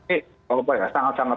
eh kalau benar sangat sangat